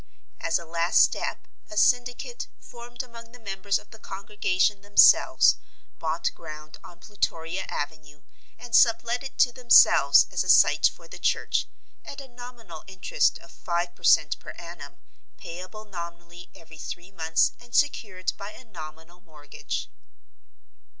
As a last step a syndicate, formed among the members of the congregation themselves, bought ground on Plutoria Avenue, and sublet it to themselves as a site for the church, at a nominal interest of five per cent per annum, payable nominally every three months and secured by a nominal mortgage.